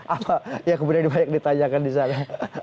apa yang kemudian banyak ditanyakan di sana